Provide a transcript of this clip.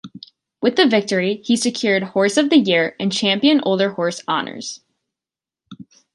With the victory, he secured Horse of the Year and Champion Older Horse honors.